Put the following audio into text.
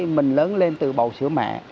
mình lớn lên từ bầu sữa mẹ